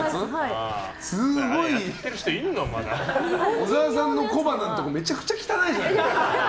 小沢さんの小鼻のところめちゃくちゃ汚いじゃん。